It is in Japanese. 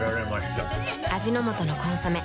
味の素の「コンソメ」